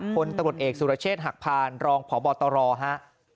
คนตำรวจเอกสุรเชษฐ์หักพานรองพบตรฮะ